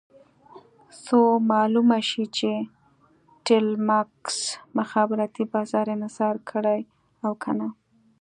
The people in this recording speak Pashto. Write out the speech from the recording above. څو معلومه شي چې ټیلمکس مخابراتي بازار انحصار کړی او که نه.